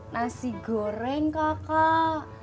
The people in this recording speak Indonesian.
nasi goreng kakak